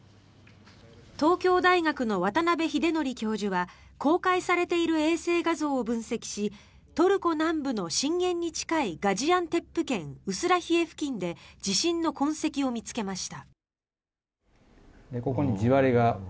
東京大学の渡邉英徳教授は公開されている衛星画像を分析しトルコ南部の震源に近いガジアンテップ県ウスラヒエ付近で地震の痕跡を見つけました。